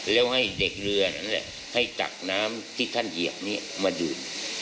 แล้วให้เด็กเรือให้ตักน้ำที่ท่านเหยียบนี้มาดื่ม